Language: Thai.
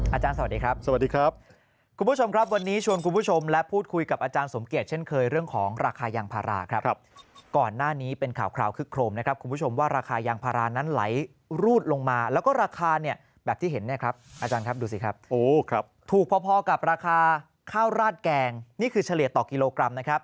อาจารย์สวัสดีครับสวัสดีครับคุณผู้ชมครับวันนี้ชวนคุณผู้ชมและพูดคุยกับอาจารย์สมเกียจเช่นเคยเรื่องของราคายางพาราครับก่อนหน้านี้เป็นข่าวคราวคึกโครมนะครับคุณผู้ชมว่าราคายางพารานั้นไหลรูดลงมาแล้วก็ราคาเนี่ยแบบที่เห็นเนี่ยครับอาจารย์ครับดูสิครับถูกพอพอกับราคาข้าวราดแกงนี่คือเฉลี่ยต่อกิโลกรัมนะครับ